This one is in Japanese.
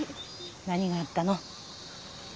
何があったの？